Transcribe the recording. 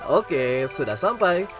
oke sudah sampai